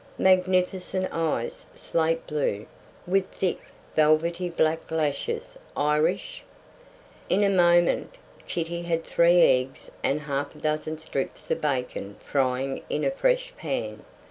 Magnificent eyes slate blue, with thick, velvety black lashes. Irish. In a moment Kitty had three eggs and half a dozen strips of bacon frying in a fresh pan.